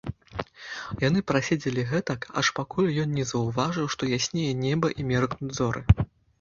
Яны праседзелі гэтак, аж пакуль ён не заўважыў, што яснее неба і меркнуць зоры.